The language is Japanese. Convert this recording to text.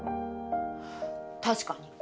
確かに。